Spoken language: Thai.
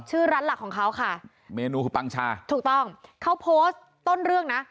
ชื่อร้านหลักของเขาค่ะเมนูคือปังชาถูกต้องเขาโพสต์ต้นเรื่องนะ